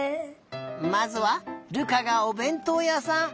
まずは瑠珂がおべんとうやさん。